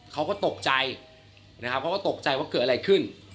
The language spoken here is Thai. เขาก็ตกใจนะครับเขาก็ตกใจว่าเกิดอะไรขึ้น